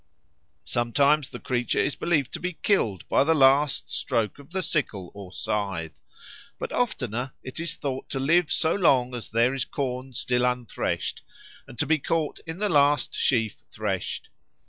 Sometimes the creature is believed to be killed by the last stroke of the sickle or scythe. But oftener it is thought to live so long as there is corn still unthreshed, and to be caught in the last sheaf threshed.